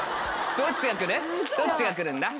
どっちが来るんだ？